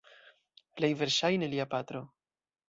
Plej verŝajne lia patro.